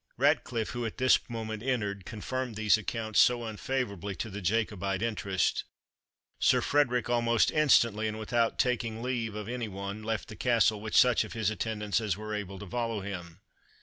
Ratcliffe, who at this moment entered, confirmed these accounts so unfavourable to the Jacobite interest. Sir Frederick, almost instantly, and without taking leave of any one, left the castle, with such of his attendants as were able to follow him.